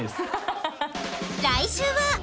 ［来週は］